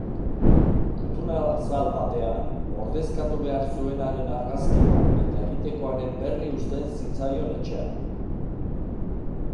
Gutunazal batean, ordezkatu behar zuenaren argazkia eta egitekoaren berri uzten zitzaion etxean.